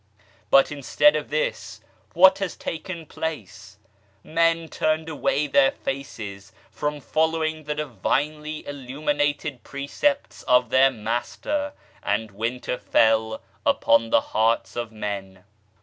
But instead of this, what has taken place ? Men turned away their faces from following the Divinely illuminated precepts of their Master, and winter fell upon the hearts of men.